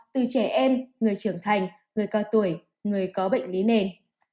từ trẻ em người trưởng thành người cao tuổi người có bệnh lý nền